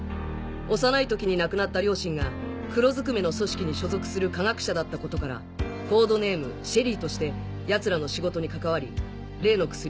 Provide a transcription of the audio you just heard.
幼い時に亡くなった両親が黒ずくめの組織に所属する科学者だったことからコードネーム「シェリー」としてヤツらの仕事に関わり例の薬